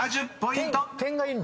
［７０ポイント！］